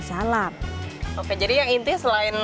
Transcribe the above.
salap oke jadi yang intinya selain